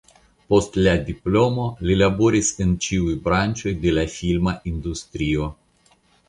Post la diplomo li laboris en ĉiuj branĉoj de la filma industrio.